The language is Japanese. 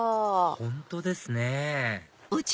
本当ですね